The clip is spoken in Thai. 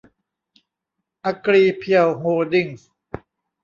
อกริเพียว โฮลดิ้งส์